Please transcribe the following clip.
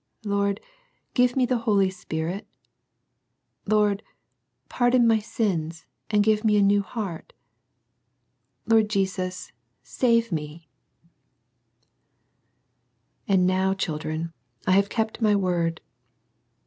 Lord, give me the Holy Spirit. Lord, pardon my sins, and give me a new heart Lord Jesus, save me." 78 SERMONS FOR CHILDREN. And now, children, I have kept my word.